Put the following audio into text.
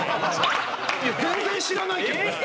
いや全然知らないけど！